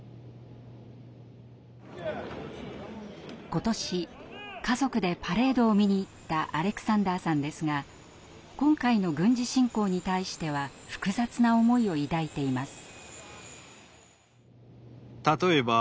今年家族でパレードを見に行ったアレクサンダーさんですが今回の軍事侵攻に対しては複雑な思いを抱いています。